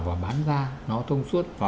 và bán ra nó thông suốt và